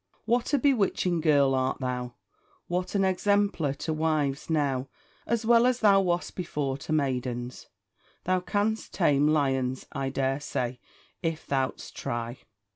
What a bewitching girl art thou! What an exemplar to wives now, as well as thou wast before to maidens! Thou canst tame lions, I dare say, if thoud'st try.